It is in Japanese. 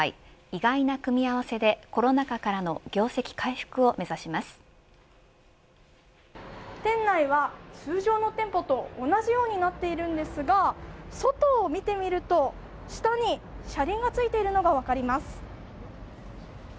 意外な組み合わせでコロナ禍からの店内は、通常の店舗と同じようになっているんですが外を見てみると、下に車輪がついているのが分かります。